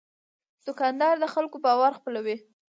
دوکاندار د خلکو باور خپلوي.